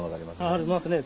ありますね。